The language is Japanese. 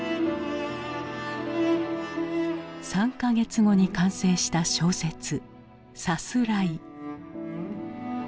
３か月後に完成した小説「さすらい」。